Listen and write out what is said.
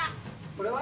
これは？